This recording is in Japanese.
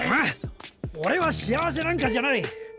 オレは幸せなんかじゃない！